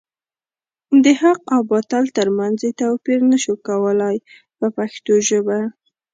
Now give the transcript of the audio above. د حق او باطل تر منځ یې توپیر نشو کولای په پښتو ژبه.